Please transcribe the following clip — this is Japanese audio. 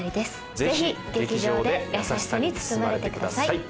ぜひ劇場で優しさに包まれてください。